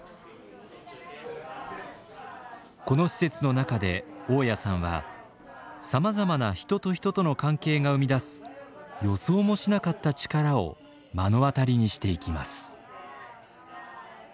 この施設の中で雄谷さんはさまざまな人と人との関係が生み出す予想もしなかった力を目の当たりにしていきます。